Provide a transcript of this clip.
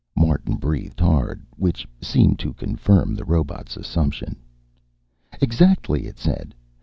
Martin breathed hard, which seemed to confirm the robot's assumption. "Exactly," it said.